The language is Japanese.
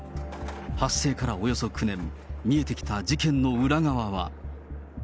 発生からおよそ９年、見えてきた事件の裏側は。